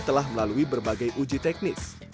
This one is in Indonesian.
telah melalui berbagai uji teknis